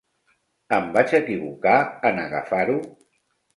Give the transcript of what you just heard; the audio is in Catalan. Em vaig equivocar en agafar-ho?